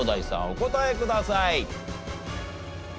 お答えください。